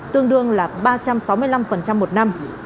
tương đương là ba trăm sáu mươi năm một năm